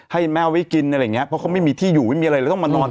ให้แม่ไว้กินอะไรอย่างเงี้เพราะเขาไม่มีที่อยู่ไม่มีอะไรเลยต้องมานอน